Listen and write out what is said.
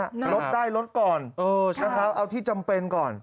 ลดได้ลดก่อนเอาที่จำเป็นก่อน